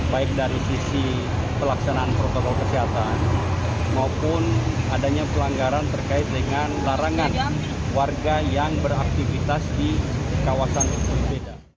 baik dari sisi pelaksanaan protokol kesehatan maupun adanya pelanggaran terkait dengan larangan warga yang beraktivitas di kawasan itu beda